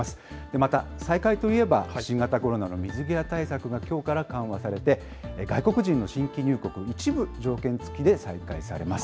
また、再開といえば、新型コロナの水際対策がきょうから緩和されて、外国人の新規入国、一部、条件付きで再開されます。